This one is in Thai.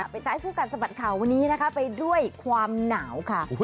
ไปตามผู้กันสมัดข่าววันนี้ไปด้วยความหนาวค่ะ